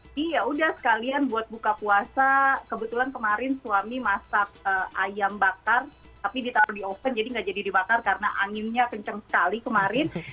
jadi yaudah sekalian buat buka puasa kebetulan kemarin suami masak ayam bakar tapi ditaruh di oven jadi nggak jadi dibakar karena anginnya kenceng sekali kemarin